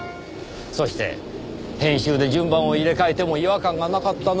そして編集で順番を入れ替えても違和感がなかったのはなぜか？